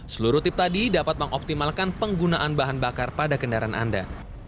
seluruh tip tadi dapat mengoptimalkan penggunaan bahan bakar pada kendaraan anda